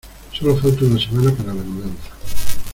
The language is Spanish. Sólo falta una semana para la mudanza.